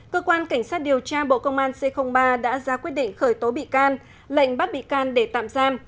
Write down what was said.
cơ quan cảnh sát điều tra bộ công an c ba đã ra quyết định khởi tố bị can lệnh bắt bị can để tạm giam